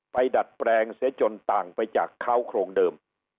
ดัดแปลงเสียจนต่างไปจากเขาโครงเดิม